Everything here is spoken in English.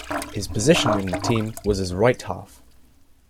His position in the team was as right-half.